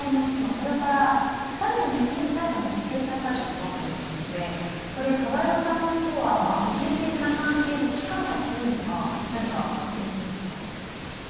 それから、２人の娘に対しては制裁対象となっていますのでカバエワさんとの個人的な関係の近さというのは何か関係してるんですか。